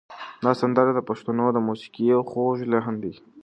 دا سندره د پښتنو د موسیقۍ یو خوږ لحن دی.